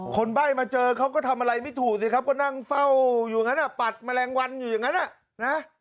ใบ้มาเจอเขาก็ทำอะไรไม่ถูกสิครับก็นั่งเฝ้าอยู่อย่างนั้นปัดแมลงวันอยู่อย่างนั้นนะ